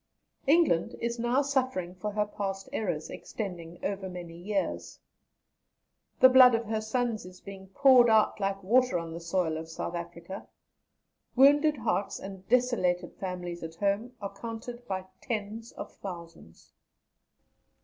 England is now suffering for her past errors, extending over many years. The blood of her sons is being poured out like water on the soil of South Africa. Wounded hearts and desolated families at home are counted by tens of thousands.